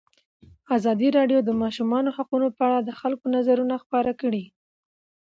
ازادي راډیو د د ماشومانو حقونه په اړه د خلکو نظرونه خپاره کړي.